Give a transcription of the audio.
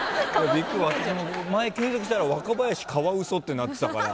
前検索したら「若林カワウソ」ってなってたから。